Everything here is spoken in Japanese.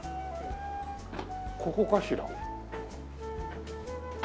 ここかしら？